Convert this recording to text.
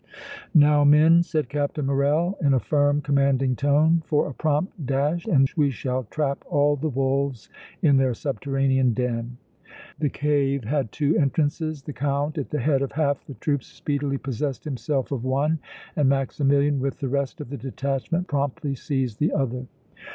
"Now, men," said Captain Morrel, in a firm, commanding tone, "for a prompt dash and we shall trap all the wolves in their subterranean den!" The cave had two entrances. The Count at the head of half the troops speedily possessed himself of one and Maximilian with the rest of the detachment promptly seized the other.